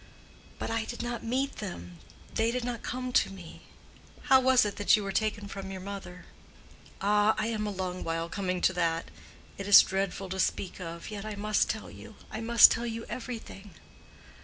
"But I did not meet them—they did not come to me." "How was it that you were taken from your mother?" "Ah, I am a long while coming to that. It is dreadful to speak of, yet I must tell you—I must tell you everything.